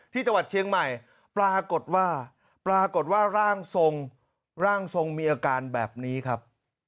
ที่จังหวัดเชียงใหม่ปรากฏว่าร่างทรงมีอาการแบบนี้ครับ